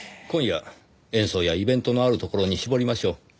今夜演奏やイベントのあるところに絞りましょう。